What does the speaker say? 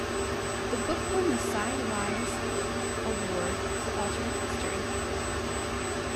The book won the Sidewise Award for Alternate History.